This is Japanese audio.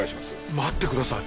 待ってください。